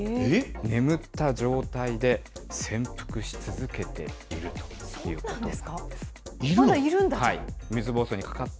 眠った状態で潜伏し続けているということなんです。